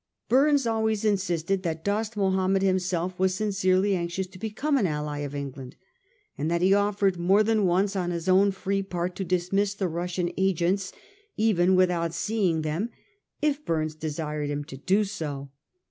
Burnes always insisted that Dost Mahomed himself was sincerely anxious to become an ally of England, and that he offered more than once on his own free part to dismiss the Russian agents even without seeing them, if Bumes desired him to do so.